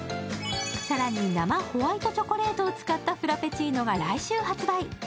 更に生ホワイトチョコレートを使ったフラペチーノが来週発売。